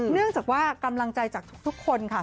เนื่องจากว่ากำลังใจจากทุกคนค่ะ